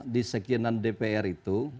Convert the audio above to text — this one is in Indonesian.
di sekjenan dpr itu